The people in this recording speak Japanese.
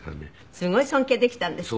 すごい尊敬できたんですって？